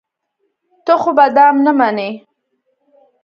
ته خو به دام نه منې.